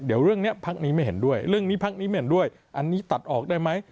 เดี๋ยวเรื่องนี้พักนี้ไม่เห็นด้วยเรื่องนี้พักนี้ไม่เห็นด้วยอันนี้ตัดออกได้ไหม